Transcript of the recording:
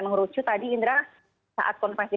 mengerucu tadi indra saat konferensi